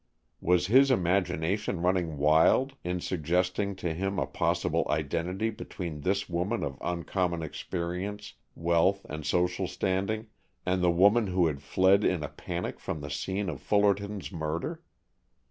Was his imagination running wild in suggesting to him a possible identity between this woman of uncommon experience, wealth, and social standing, and the woman who had fled in a panic from the scene of Fullerton's murder?